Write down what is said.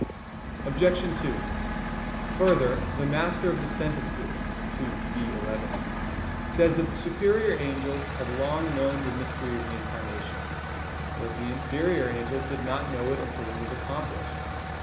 Obj. 2: Further, the Master of the Sentences (ii, D, 11) says that the superior angels had long known the Mystery of the Incarnation, whereas the inferior angels did not know it until it was accomplished.